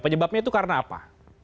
penyebabnya itu karena apa